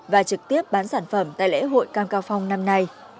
và trực tiếp bán sản phẩm tại lễ hội cam cao phong năm nay